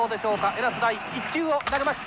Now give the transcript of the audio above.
江夏第１球を投げました。